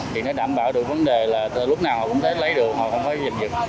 thì nó đảm bảo được vấn đề là lúc nào họ cũng lấy được họ không phải dành dựng